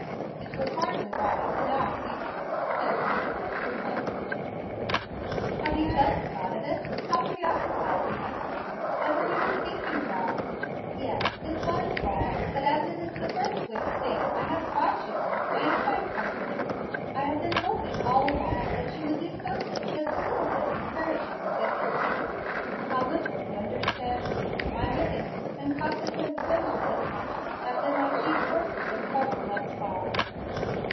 "It was hardly right, now I think of it," said Hemstead, reflectively. "Have you just thought of it? How preoccupied you have been! What have you been thinking about? Yes, it was wrong; but as it is the first wicked thing I have caught you in I am quite comforted. I have been hoping all along that you would do something just a little bit encouragingly wicked." "How little you understand me! My wickedness and consequent twinges of conscience have been my chief sources of trouble thus far."